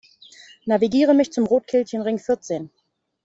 Navigiere mich zum Rotkelchenring vierzehn!